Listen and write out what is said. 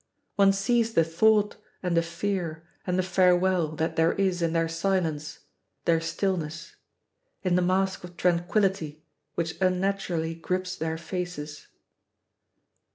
One sees the thought and the fear and the farewell that there is in their silence, their stillness, in the mask of tranquillity which unnaturally grips their faces.